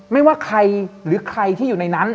ไม่ว่าใครหรือใครที่อยู่ในนั้น